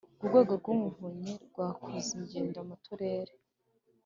Urwego rw’Umuvunyi rwakoze ingendo mu turere